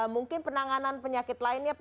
mungkin penanganan penyakit lainnya